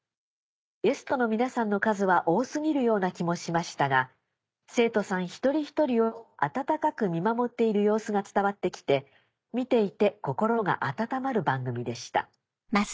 ゲストの皆さんの数は多過ぎるような気もしましたが生徒さん一人一人を温かく見守っている様子が伝わって来て見ていて心が温まる番組でした」。